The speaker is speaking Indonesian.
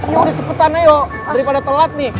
ya udah cepetan ayo daripada telat nih